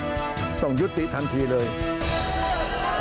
ด้วยความเคารพนะครับพวกเราฆราวะเนี่ยเสียคนมานานแล้ว